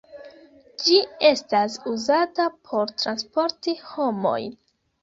Ĝi estas uzata por transporti homojn.